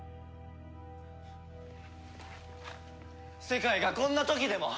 世界がこんな時でも？